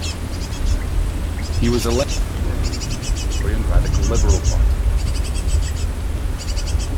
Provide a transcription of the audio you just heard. He was elected head of the Ecuadorian Radical Liberal Party.